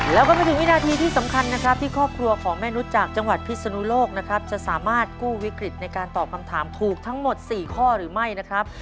แล้วก็มาถึงวินาทีที่สำคัญนะครับที่ครอบครัวของแม่นุษย์จากจังหวัดพิศนุโลกนะครับจะสามารถกู้วิกฤตในการตอบคำถามถูกทั้งหมด๔ข้อหรือไม่นะครับ